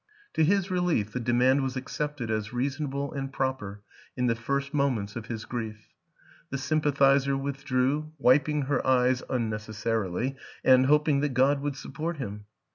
To his relief the de mand was accepted as reasonable and proper in the first moments of his grief; the sympathizer withdrew, wiping her eyes unnecessarily and hoping that God would support him.